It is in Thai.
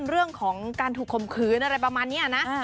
เรื่องของการถูกข่มขืนอะไรประมาณนี้นะ